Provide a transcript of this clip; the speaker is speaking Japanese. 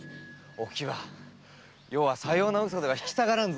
お喜和余はさような嘘では引き下がらんぞ。